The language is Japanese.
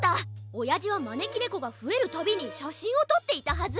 おやじはまねきねこがふえるたびにしゃしんをとっていたはず！